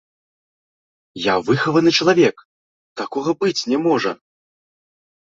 Я выхаваны чалавек, такога быць не можа.